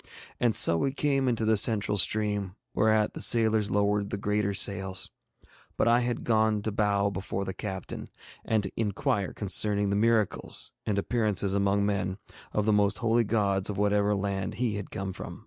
And so we came into the central stream, whereat the sailors lowered the greater sails. But I had gone to bow before the captain, and to inquire concerning the miracles, and appearances among men, of the most holy gods of whatever land he had come from.